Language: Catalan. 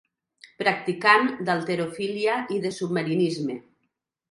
Practicant d'halterofília i de submarinisme.